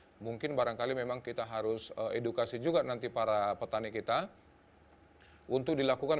nah mungkin barangkali memang kita harus edukasi juga nanti para petani kita untuk dilakukan